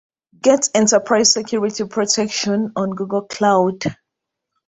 Get Enterprise Security Protection on Google Cloud